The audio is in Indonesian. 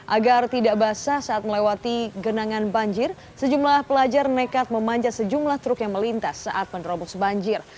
agar tidak basah saat melewati genangan banjir sejumlah pelajar nekat memanjat sejumlah truk yang melintas saat menerobos banjir